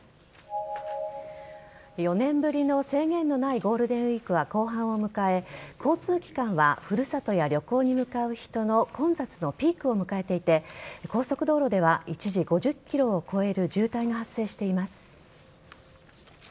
４年ぶりの制限のないゴールデンウイークは後半を迎え交通機関は古里や旅行に向かう人の混雑のピークを迎えていて高速道路では一時５０ｋｍを超える渋滞が発生しています。